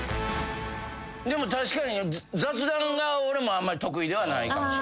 でも確かに雑談が俺もあんまり得意ではないかもしれない。